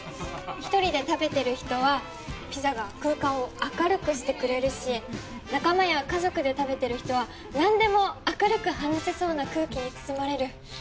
１人で食べてる人はピザが空間を明るくしてくれるし仲間や家族で食べてる人はなんでも明るく話せそうな空気に包まれる。